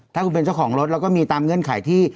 ถ้าคุณเป็นเจ้าของรถเราก็มีตามเงื่อนไขที่